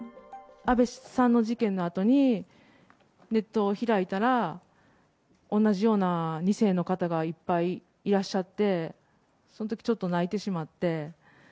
安倍さんの事件のあとに、ネットを開いたら、同じような２世の方がいっぱいいらっしゃって、そのときちょっと泣いてしまって。